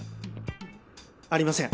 ありません